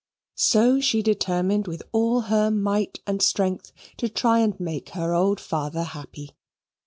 So she determined with all her might and strength to try and make her old father happy.